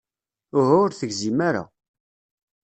Uhu, ur tegzim ara.